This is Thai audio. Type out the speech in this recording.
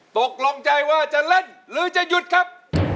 ตกลงใจว่าจะเล่นหรือจะหยุดครับ